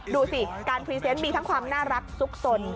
ดูสิการพรีเซนต์มีทั้งความน่ารักซุกสน